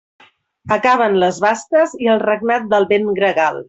Acaben les basques i el regnat del vent gregal.